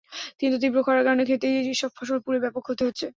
কিন্তু তীব্র খরার কারণে খেতেই এসব ফসল পুড়ে ব্যাপক ক্ষতি হচ্ছে।